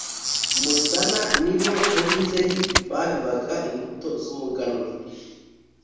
musana ni bo, muri nzeri, babibaga imbuto z'umuganura